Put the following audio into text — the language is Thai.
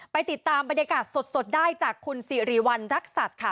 ติดตามบรรยากาศสดได้จากคุณสิริวัณรักษัตริย์ค่ะ